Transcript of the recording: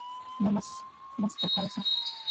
No más "música falsa".